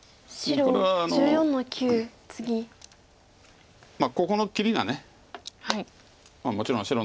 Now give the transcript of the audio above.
これはここの切りがもちろん白の狙いで。